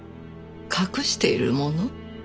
隠しているもの？